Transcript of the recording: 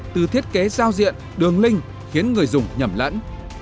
thu diện đường linh khiến người dùng nhầm lẫn